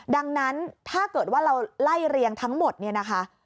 ดังนั้นถ้าเกิดว่าเราไล่เรียงทั้งหมดเนี่ยนะคะ